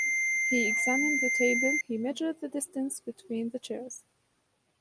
He examined the table, he measured the distance between the chairs.